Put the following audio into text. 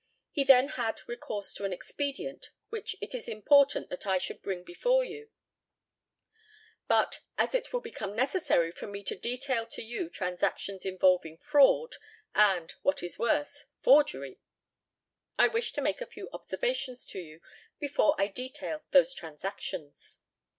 He then had recourse to an expedient which it is important that I should bring before you; but, as it will become necessary for me to detail to you transactions involving fraud, and, what is worse, forgery, I wish to make a few observations to you before I detail those transactions.